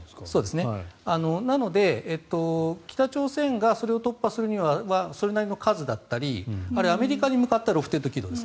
なので北朝鮮がそれを突破するにはそれなりの数だったりあるいはアメリカに向かったロフテッド軌道です。